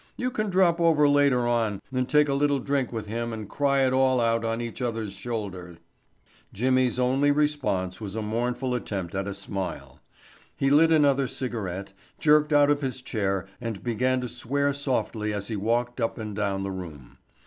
You can drop over later on and take a little drink with him and cry it all out on each other's shoulder." Jimmy's only response was a mournful attempt at a smile. He lit another cigarette, jerked out of his chair and began to swear softly as he walked up and down the room.